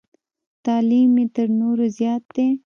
تعلیم یې تر نورو زیات دی.